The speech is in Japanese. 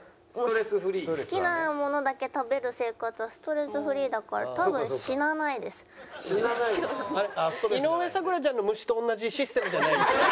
好きなものだけ食べる生活はストレスフリーだから井上咲楽ちゃんの虫と同じシステムじゃないよね？